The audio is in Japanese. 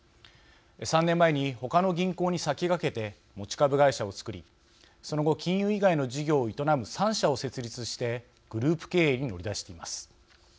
３年前に他の銀行に先駆けて持ち株会社を作りその後金融以外の事業を営む３社を設立してグループ経営に乗り出しています。